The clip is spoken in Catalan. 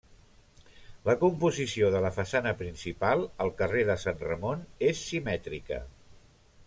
La composició de la façana principal, al carrer de Sant Ramon, és simètrica.